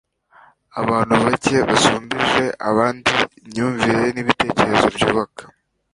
abantu bake basumbije abandi imyumvire n'ibitekerezo byubaka